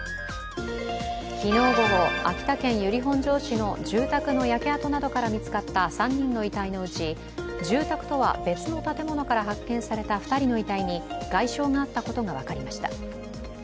昨日午後、秋田県由利本荘市の住宅の焼け跡などから見つかった３人の遺体のうち住宅とは別の建物から発見された２人の遺体に外傷があったことが分かりました。